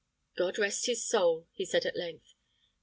"God rest his soul!" he said, at length.